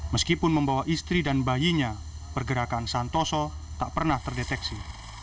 meskipun membawa istri dan bayinya pergerakan santoso tak pernah terdeteksi